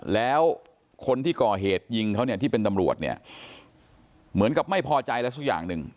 แล้วคนที่ก่อเหตุยิงเขาเนี่ยที่เป็นตำรวจเนี่ยเหมือนกับไม่พอใจอะไรสักอย่างหนึ่ง